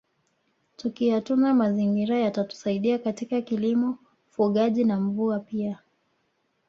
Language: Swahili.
Tukiyatunza mazingira yatatusaidia katika kilimo ufugaji na mvua pia